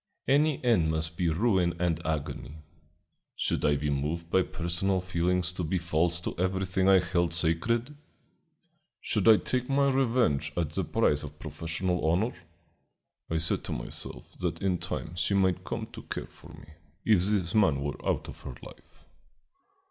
"Any end must be ruin and agony. Should I be moved by personal feelings to be false to everything I held sacred? Should I take my revenge at the price of professional honor? I said to myself that in time she might come to care for me, if this man were out of her life.